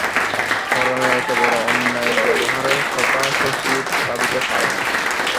পরানের এতবড় অন্যায় ব্যবহারের কথা শশী ভাবিতে পারে না।